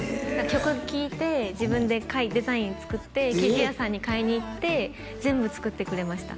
曲聴いて自分でデザイン作って生地屋さんに買いに行って全部作ってくれました